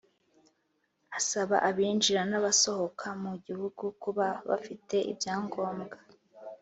Asaba abinjira n’abasohoka mu gihugu kuba bafite ibyangombwa